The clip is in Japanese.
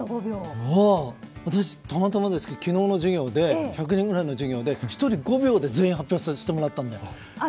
私たまたまですけど昨日の１００人くらいの授業で１人５秒で全員発表してもらったんだよ。